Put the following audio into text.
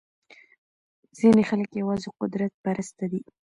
ځینې خلک یوازې قدرت پرسته دي.